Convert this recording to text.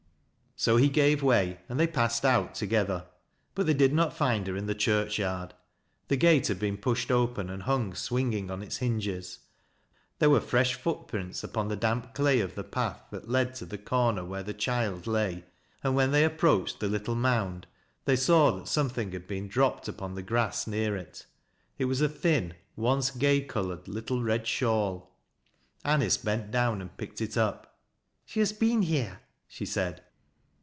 So he gave way, and they passed out together. But they did not find her in the church yard. The gate had been pushed open and hung swinging on its hinges. There were fresh footprints upon the damp clay of the path that led to the corner where the child lay, and when they approached the little mound they saw that something had been dropped upon the grass near it. It was a thin, once gay colored, little red shawl. Anice bent down and picked it up. " She has been here," she said.